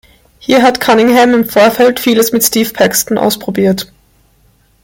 Hier hat Cunningham im Vorfeld vieles mit Steve Paxton ausprobiert.